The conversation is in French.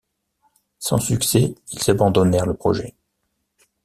Sans succès, ils abandonnèrent le projet.